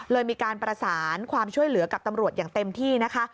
เลยมีการประสานความช่วยเหลือกับตำรวจอย่างเต็มที่นะคะ